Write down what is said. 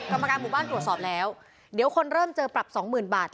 กรรมการหมู่บ้านตรวจสอบแล้วเดี๋ยวคนเริ่มเจอปรับสองหมื่นบาท